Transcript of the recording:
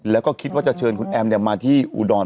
แล้วก็คิดว่าจะเชิญคุณแอมมาที่อุดร